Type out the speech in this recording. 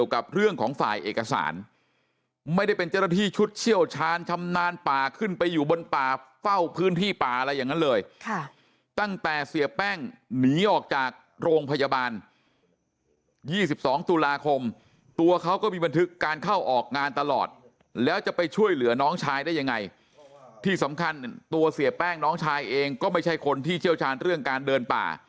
กับเรื่องของฝ่ายเอกสารไม่ได้เป็นเจ้าหน้าที่ชุดเชี่ยวชาญชำนาญป่าขึ้นไปอยู่บนป่าเฝ้าพื้นที่ป่าอะไรอย่างนั้นเลยค่ะตั้งแต่เสียแป้งหนีออกจากโรงพยาบาล๒๒ตุลาคมตัวเขาก็มีบันทึกการเข้าออกงานตลอดแล้วจะไปช่วยเหลือน้องชายได้ยังไงที่สำคัญตัวเสียแป้งน้องชายเองก็ไม่ใช่คนที่เชี่ยวชาญเรื่องการเดินป่า